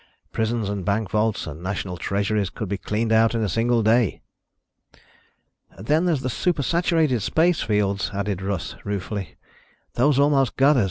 Prisons and bank vaults and national treasuries could be cleaned out in a single day." "Then there's the super saturated space fields," added Russ, ruefully. "Those almost got us.